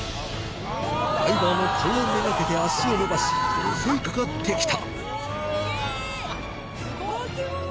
ダイバーの顔めがけて足を伸ばし襲いかかってきたうわぁ！